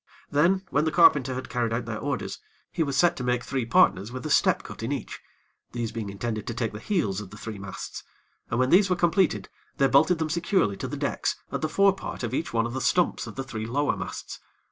Then, when the carpenter had carried out their orders, he was set to make three partners with a step cut in each, these being intended to take the heels of the three masts, and when these were completed, they bolted them securely to the decks at the fore part of each one of the stumps of the three lower masts.